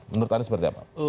menurut anda seperti apa